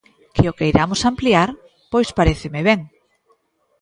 Que o queiramos ampliar, pois paréceme ben.